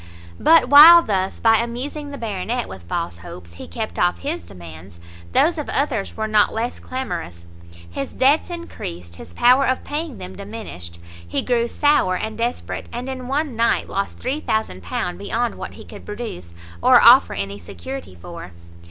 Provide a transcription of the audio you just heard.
But while thus, by amusing the Baronet with false hopes, he kept off his demands, those of others were not less clamorous; his debts increased, his power of paying them diminished; he grew sour and desperate, and in one night lost £3000 beyond what he could produce, or offer any security for.